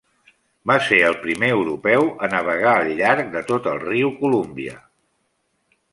Va ser el primer europeu a navegar al llarg de tot el riu Columbia.